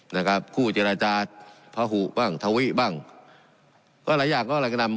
นะครับคู่เจรจาพระหุบ้างทวิบ้างก็หลายอย่างก็อะไรก็นำ